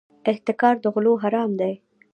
احتکار د غلو حرام دی.